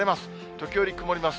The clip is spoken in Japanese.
時折曇ります。